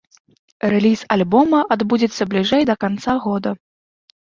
Рэліз альбома адбудзецца бліжэй да канца года.